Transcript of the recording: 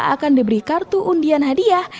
akan diberi kartu undian hadiah